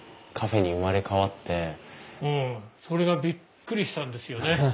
うんそれがびっくりしたんですよね。